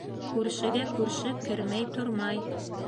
Күршегә күрше кермәй тормай.